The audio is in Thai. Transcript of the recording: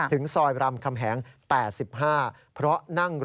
ถึงซอยรามกำแหง๘๕